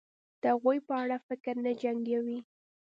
د هغوی په اړه فکر نه جنګوي